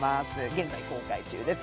現在公開中です。